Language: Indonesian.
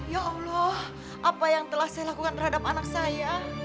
ya allah apa yang telah saya lakukan terhadap anak saya